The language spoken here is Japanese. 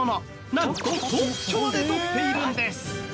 なんと特許まで取っているんです。